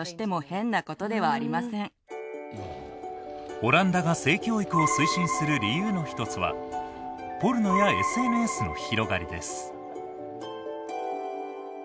オランダが性教育を推進する理由の一つはポルノやＳＮＳの広がりです。